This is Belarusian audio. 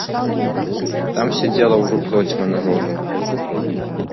Там сядзела ўжо процьма народу.